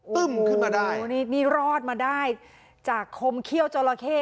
ตึ้มขึ้นมาได้โอ้นี่นี่รอดมาได้จากคมเขี้ยวจราเข้